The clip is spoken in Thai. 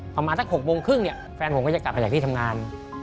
ประมาณสัก๖โมงครึ่งเนี่ยแฟนผมก็จะกลับไปจากที่ทำงาน